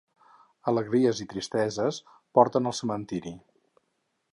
Alegries o tristeses porten al cementiri.